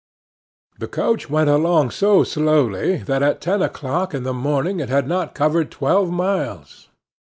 The coach went along so slowly that at ten o'clock in the morning it had not covered twelve miles.